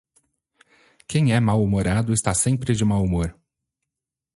Quem é mal-humorado está sempre de mau humor!